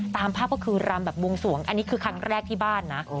ตามภาพก็คือรำแบบบวงสวงอันนี้คือครั้งแรกที่บ้านนะ